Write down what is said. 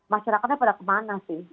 masyarakatnya pada kemana sih